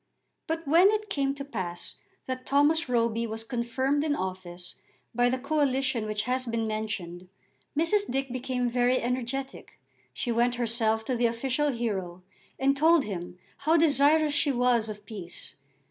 But when it came to pass that Thomas Roby was confirmed in office by the coalition which has been mentioned, Mrs. Dick became very energetic. She went herself to the official hero and told him how desirous she was of peace.